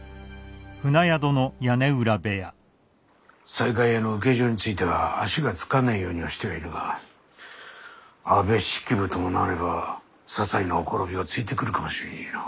西海屋の請状については足がつかねえようにはしてはいるが安部式部ともなればささいな綻びをついてくるかもしれねえな。